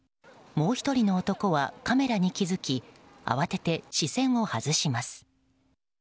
もう１人の男は、カメラに気付き慌てて視線を外します。